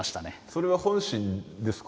それは本心ですか？